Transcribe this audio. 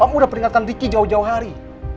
om udah peringatkan riki jauh jauh hari